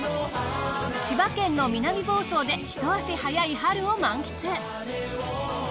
千葉県の南房総で一足早い春を満喫。